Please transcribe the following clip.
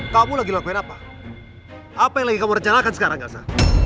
kamu lagi lakuin apa apa yang lagi kamu rencanakan sekarang gaza